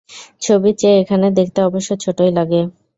ছবির চেয়ে এখানে দেখতে অবশ্য ছোটই লাগে।